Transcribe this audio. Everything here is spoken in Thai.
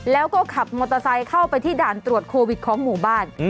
แล้วก็ขับมอเตอร์ไซค์เข้าไปที่ด่านตรวจโควิดของหมู่บ้าน